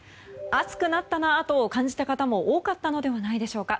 暑くなったなと感じた方も多かったのではないでしょうか。